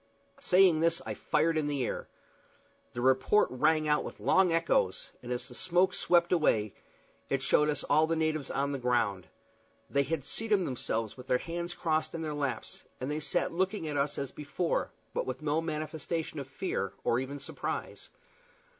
Saying this I fired in the air. The report rang out with long echoes, and as the smoke swept away it showed us all the natives on the ground. They had seated themselves with their hands crossed on their laps, and there they sat looking at us as before, but with no manifestation of fear or even surprise.